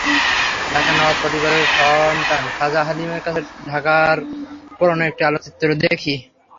ঢাকার নবাব পরিবারের সন্তান খাজা হালিমের কাছে ঢাকার পুরোনো একটি আলোকচিত্র দেখি।